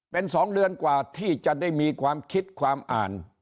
เป็น๒เดือนกว่าที่จะได้มีความคิดความอ่าน